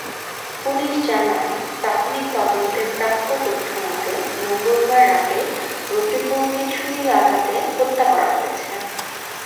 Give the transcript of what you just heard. Police জানায়, প্রাথমিক তদন্তে প্রাপ্ত তথ্যমতে, মঙ্গলবার রাতে রফিকুলকে ছুরিকাঘাতে হত্যা করা হয়েছে।